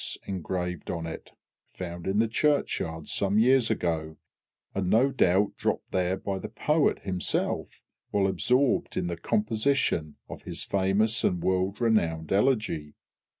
engraved on it, found in the churchyard some years ago, and, no doubt, dropped there by the poet himself, while absorbed in the composition of his famous and world renowned elegy.